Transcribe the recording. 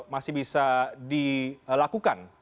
masih bisa dilakukan